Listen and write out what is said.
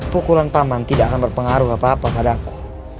pukulan paman tidak akan berpengaruh apa apa pada aku